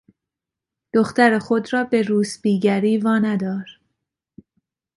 دختر خود را به روسپیگری واندار.